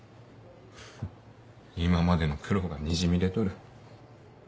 今までの苦労がにじみ出とる。